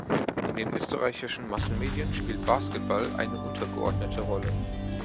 In den österreichischen Massenmedien spielt Basketball eine untergeordnete Rolle.